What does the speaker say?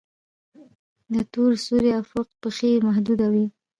د تور سوري افق پیښې محدوده وي.